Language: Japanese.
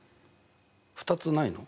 ２つないの？